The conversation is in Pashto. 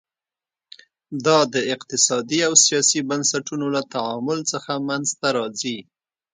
دا د اقتصادي او سیاسي بنسټونو له تعامل څخه منځته راځي.